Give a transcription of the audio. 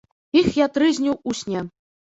Іх я трызніў у сне.